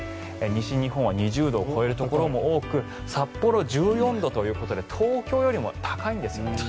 西日本は２０度を超えるところも多く札幌、１４度ということで東京よりも高いんですね。